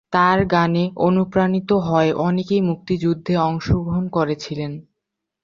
তার গানে অনুপ্রাণিত হয়ে অনেকেই মুক্তিযুদ্ধে অংশ গ্রহণ করেছিলেন।